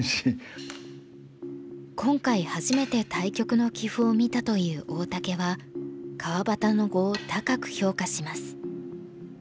今回初めて対局の棋譜を見たという大竹は川端の碁を高く評価します。